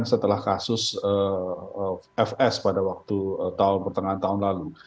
setelah kasus fs pada waktu tahun pertengahan tahun lalu